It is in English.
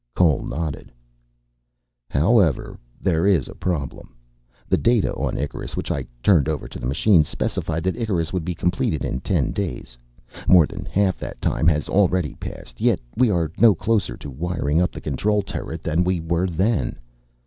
Cole nodded. "However, there is a problem. The data on Icarus which I turned over to the machines specified that Icarus would be completed in ten days. More than half that time has already passed. Yet, we are no closer to wiring up the control turret than we were then.